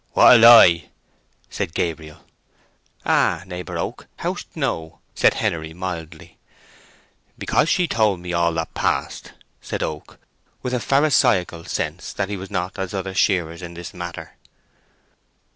"What a lie!" said Gabriel. "Ah, neighbour Oak—how'st know?" said, Henery, mildly. "Because she told me all that passed," said Oak, with a pharisaical sense that he was not as other shearers in this matter.